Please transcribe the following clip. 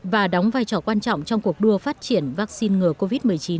và đóng vai trò quan trọng trong cuộc đua phát triển vaccine ngừa covid một mươi chín